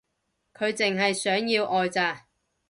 佢淨係想要愛咋